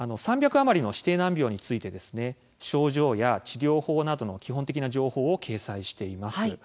３００余りの指定難病について症状や治療法などの基本的な情報を掲載しています。